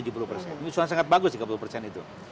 ini suara sangat bagus sih kabupaten dan kota itu